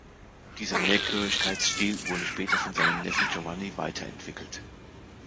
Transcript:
Dieser Mehrchörigkeits-Stil wurde später von seinem Neffen Giovanni weiter entwickelt.